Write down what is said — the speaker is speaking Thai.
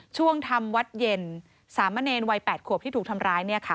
ช่วงทำวัดเย็นสามเณรวัย๘ขวบที่ถูกทำร้าย